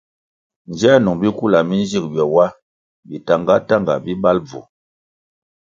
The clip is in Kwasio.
Nziē nung bikula mi nzig ywe wa bi tahnga- tahnga bi bali bvu.